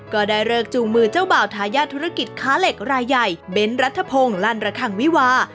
ก็ได้เลิกจูงมือเจ้าบ่าวทายาทธุรกิจค้าเหล็กรายใหญ่เบ้นรัฐพงศ์ลั่นระคังวิวา